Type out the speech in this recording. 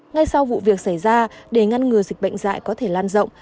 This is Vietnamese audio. ngay sau vụ việc xảy ra để ngăn ngừa dịch bệnh dạy có thể lan rộng